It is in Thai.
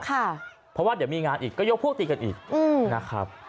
เพราะว่าเดี๋ยวมีงานอีกก็ยกพวกตีกันอีกนะครับ